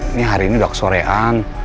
ini hari ini udah kesorean